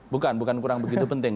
bukan bukan kurang begitu penting